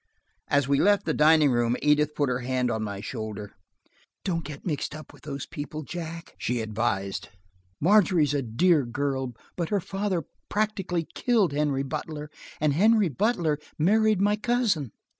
As we left the dining room Edith put her hand on my shoulder. "Don't get mixed up with those people, Jack," she advised. "Margery's a dear girl but her father practically killed Henry Butler, and Henry Butler married my cousin."